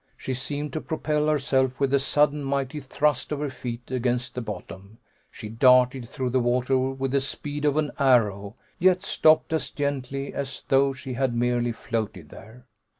She seemed to propel herself with a sudden mighty thrust of her feet against the bottom; she darted through the water with the speed of an arrow, yet stopped as gently as though she had merely floated there.